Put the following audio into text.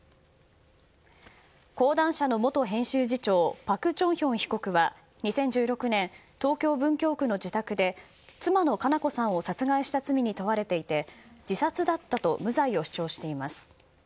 講談社の元編集次長パク・チョンヒョン被告は２０１６年東京・文京区の自宅で妻の佳菜子さんを殺害した罪に問われていて自殺だったと無罪を主張しています。